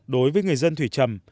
đối với người dân thủy trầm